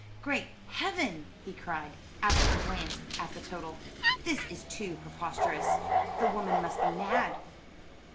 "Great Heaven!" he cried, after a glance at the total. "This is too preposterous. The woman must be mad."